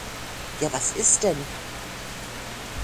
Ja was ist denn?